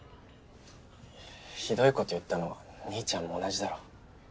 ひどいこと言ったのは兄ちゃんも同じだろ。